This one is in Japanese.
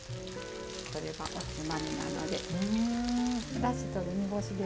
これはおつまみなので。